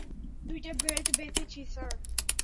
দুইটা বেল্ট বেধেছি স্যার।